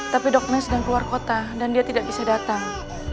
tapi dognes sedang keluar kota dan dia tidak bisa datang